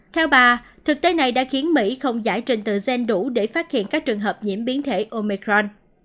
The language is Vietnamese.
theo bà thực tế này đã khiến mỹ không giải trình tự gen đủ để phát hiện các trường hợp nhiễm biến thể omicron